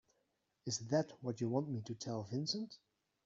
Is that what you want me to tell Vincent?